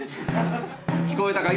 聞こえたか？